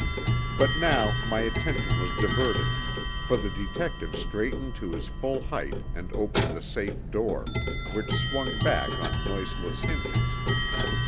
But now my attention was diverted, for the detective straightened to his full height and opened the safe door, which swung back on noiseless hinges.